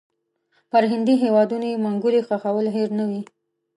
پر هندي هیوادونو یې منګولې ښخول هېر نه وي.